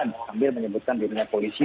kedaraan sambil menyebutkan dirinya polisi